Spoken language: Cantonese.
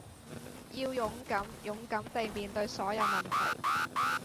要勇敢，勇敢地面對所有問題